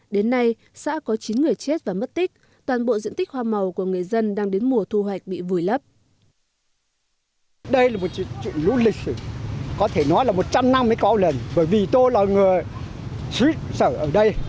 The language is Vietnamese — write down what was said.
đến nay xã có chín người chết và mất tích toàn bộ diện tích hoa màu của người dân đang đến mùa thu hoạch bị vùi lấp